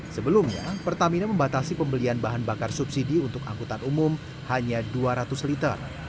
sebelumnya pertamina membatasi pembelian bahan bakar subsidi untuk angkutan umum hanya dua ratus liter